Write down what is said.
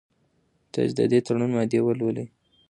تاسي د دې تړون مادې ولولئ.